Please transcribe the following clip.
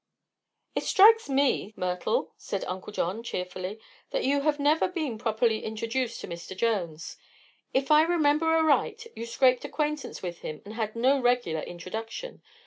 "It strikes me, Myrtle," said Uncle John, cheerfully, "that you have never been properly introduced to Mr. Jones. If I remember aright you scraped acquaintance with him and had no regular introduction.